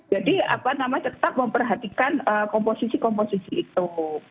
jadi tetap memperhatikan komposisi komposisi itu